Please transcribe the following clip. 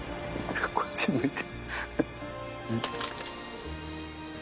こっち向いて。